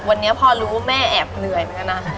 วันนี้พ่อรู้ว่าแม่แอบเหนื่อยเหมือนกันนะ